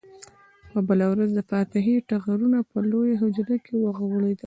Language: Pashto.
په بله ورځ د فاتحې ټغرونه په لویه حجره کې وغوړېدل.